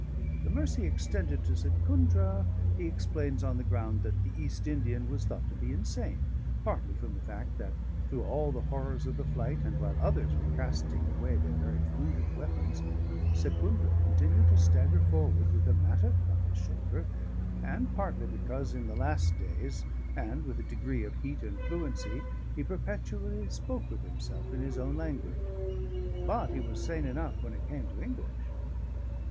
The mercy extended to Secundra he explains on the ground that the East Indian was thought to be insane; partly from the fact that, through all the horrors of the flight, and while others were casting away their very food and weapons, Secundra continued to stagger forward with a mattock on his shoulder, and partly because, in the last days, and with a great degree of heat and fluency, he perpetually spoke with himself in his own language. But he was sane enough when it came to English.